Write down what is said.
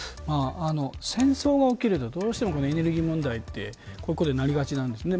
戦争が起きるとどうしてもエネルギー問題ってこういうことになりがちなんですね。